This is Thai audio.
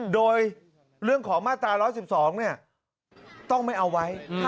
โดยเรื่องของมาตรา๑๑๒ต้องไม่เอาไว้